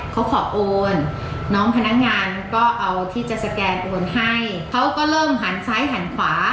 เขาขอโอนน้องพนักงานก็เอาที่จะสแกนโอนให้เขาก็เริ่มหันซ้ายหันขวา